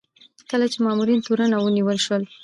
کله چې مامور تورن او ونیول شي.